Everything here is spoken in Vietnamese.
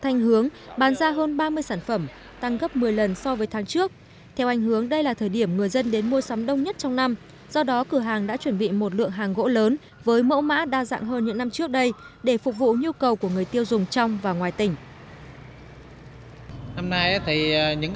theo anh hướng bán ra hơn ba mươi sản phẩm tăng gấp một mươi lần so với tháng trước theo anh hướng đây là thời điểm người dân đến mua sắm đông nhất trong năm do đó cửa hàng đã chuẩn bị một lượng hàng gỗ lớn với mẫu mã đa dạng hơn những năm trước đây để phục vụ nhu cầu của người tiêu dùng trong và ngoài tỉnh